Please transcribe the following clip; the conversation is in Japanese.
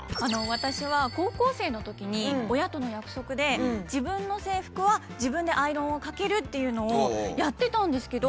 私は高校生のときに親との約束で自分の制服は自分でアイロンをかけるっていうのをやってたんですけど。